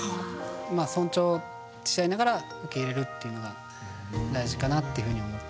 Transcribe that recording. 尊重し合いながら受け入れるというのが大事かなっていうふうに思ってます。